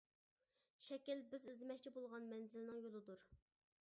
شەكىل بىز ئىزدىمەكچى بولغان مەنزىلنىڭ يولىدۇر.